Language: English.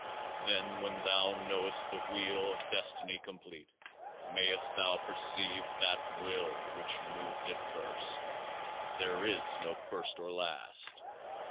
Then, when thou know'st the Wheel of Destiny complete, mayst thou perceive THAT Will which moved it first. [There is no first or last.